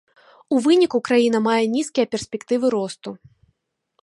У выніку краіна мае нізкія перспектывы росту.